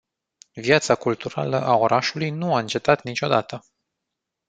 Viața culturală a orașului nu a încetat niciodată.